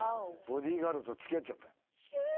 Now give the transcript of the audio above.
ボディーガードと付き合っちゃった。